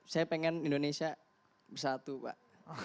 saya pengen indonesia bersatu pak